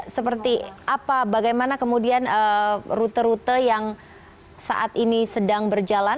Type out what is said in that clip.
seperti apa bagaimana kemudian rute rute yang saat ini sedang berjalan